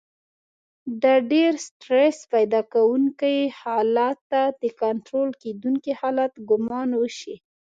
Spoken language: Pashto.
د ډېر سټرس پيدا کوونکي حالت ته د کنټرول کېدونکي حالت ګمان وشي.